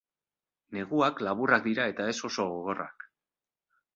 Neguak laburrak dira eta ez oso gogorrak.